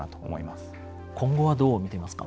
今後はどう見ていますか？